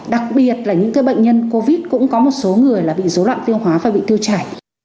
đặc biệt là những cái bệnh nhân covid cũng có một số người là bị dấu loạn tiêu hóa và bị tiêu chảy